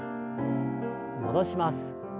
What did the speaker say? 戻します。